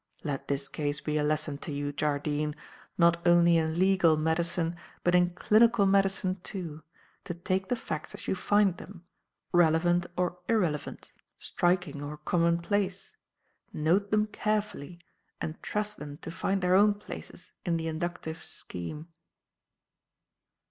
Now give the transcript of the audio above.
Let this case be a lesson to you, Jardine, not only in legal medicine but in clinical medicine, too, to take the facts as you find them relevant or irrelevant, striking or commonplace note them carefully and trust them to find their own places in the inductive scheme."